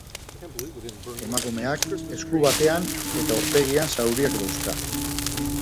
Emakumeak esku batean eta aurpegian zauriak dauzka.